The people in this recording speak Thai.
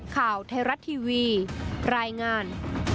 ข่าวไทยรัฐทีวีรายงาน